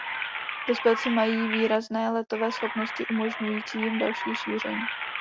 Dospělci mají výrazné letové schopnosti umožňující jim další šíření.